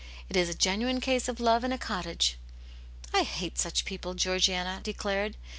It is a genuine case of love in a cottage." ^ I hate such people," Georgiana declared.